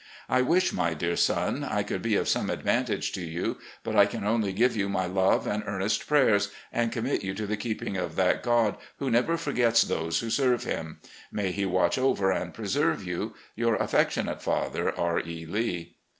... I wish, my dear son, I could be of some advantage to you, but I can only give you my love and earnest prayers, and commit FAMILY AFFAIRS 237 you to the keeping of that God who never foigets those who serve Him. May He watch over and preserve you. " Your affectionate father, "R. E. Lee."